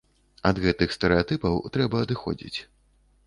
Ад гэтых стэрэатыпаў трэба адыходзіць.